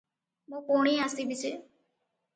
ମୁଁ ପୁଣି ଆସିବି ଯେ ।